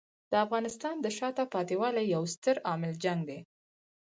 د افغانستان د شاته پاتې والي یو ستر عامل جنګ دی.